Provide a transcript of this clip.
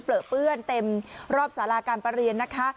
เปื้อนเต็มรอบสาราการประเรียนนะคะ